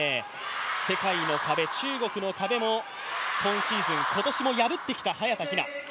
世界の壁、中国の壁も今シーズン、今年も破ってきた早田ひな。